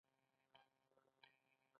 پانګوالي اجاره له فیوډالي اجارې سره توپیر لري